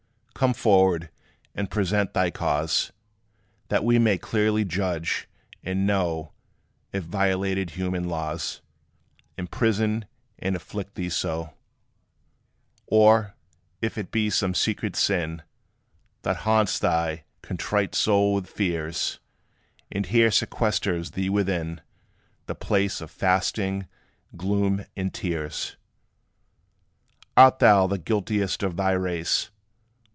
Come forward, and present thy cause; That we may clearly judge, and know If violated human laws Imprison and afflict thee so: Or if it be some secret sin, That haunts thy contrite soul with fears; And here sequesters thee within The place of fasting, gloom, and tears? Art thou the guiltiest of thy race?